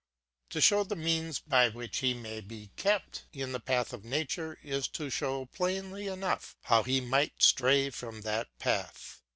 To show the means by which he may be kept in the path of nature is to show plainly enough how he might stray from that path.